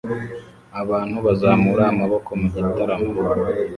Abantu bazamura amaboko mu gitaramo